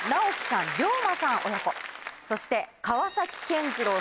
そして。